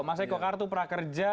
mas eko kartu prakerja